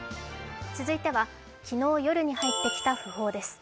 続いては昨日夜に入ってきた訃報です。